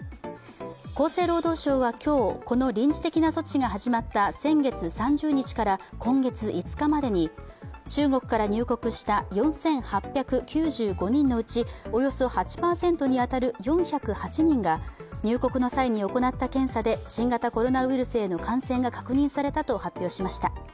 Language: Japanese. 厚生労働省は今日、この臨時的な措置が始まった先月３０日から今月５日までに中国から入国した４８９５人のうちおよそ８％に当たる４０８人が入国の際に行った検査で新型コロナウイルスへの感染が確認されたと発表しました。